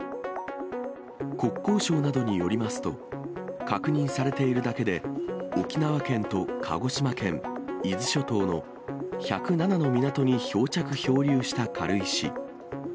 国交省などによりますと、確認されているだけで沖縄県と鹿児島県、伊豆諸島の１０７の港に漂着・漂流した軽石。